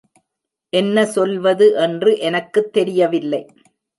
என்ன சொல்வது என்று எனக்குத் தெரியவில்லை.